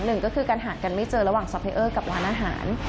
หนึ่งก็คือการหากันไม่เจอระหว่างซัพเพอร์กับร้านอาหาร